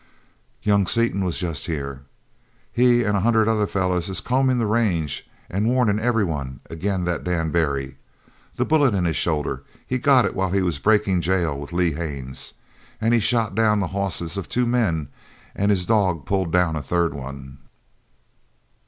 "Young Seaton was jest here. He an' a hundred other fellers is combin' the range an' warnin' everyone agin that Dan Barry. The bullet in his shoulder he got it while he was breaking jail with Lee Haines. An' he shot down the hosses of two men an' his dog pulled down a third one."